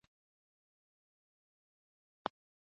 لوستې میندې د ماشوم روغتیا ته ارزښت ورکوي.